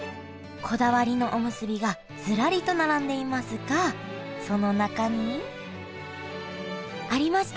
こだわりのおむすびがずらりと並んでいますがその中にありました！